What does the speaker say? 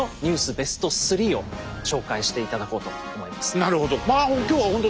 ベスト３を紹介して頂こうと思います。